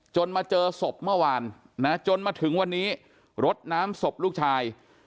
มาเจอศพเมื่อวานนะจนมาถึงวันนี้รดน้ำศพลูกชาย